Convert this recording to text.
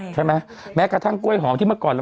ใช่ใช่ไหมแม้กระทั่งกล้วยหอมที่เมื่อก่อนแล้ว